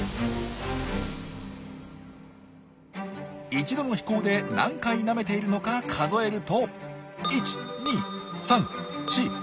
一度の飛行で何回なめているのか数えると。